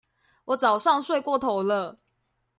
我早上睡過頭了